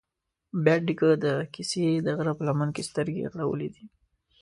بېټ نيکه د کسې د غره په لمن کې سترګې غړولې دي